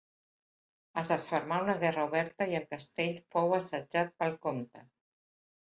Es desfermà una guerra oberta i el castell fou assetjat pel comte.